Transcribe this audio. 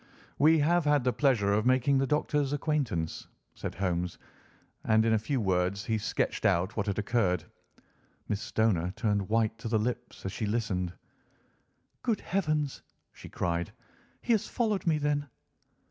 "We have had the pleasure of making the Doctor's acquaintance," said Holmes, and in a few words he sketched out what had occurred. Miss Stoner turned white to the lips as she listened. "Good heavens!" she cried, "he has followed me, then."